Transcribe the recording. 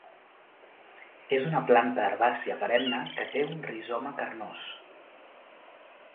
És una planta herbàcia perenne que té un rizoma carnós.